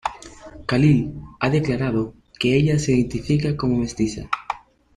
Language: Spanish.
Khalil ha declarado que ella se identifica como mestiza.